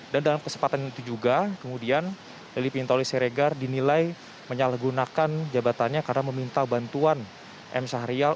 dalam kesempatan itu juga kemudian lili pintoli siregar dinilai menyalahgunakan jabatannya karena meminta bantuan m syahrial